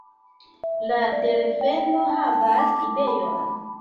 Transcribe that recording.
La delfeno havas ideon: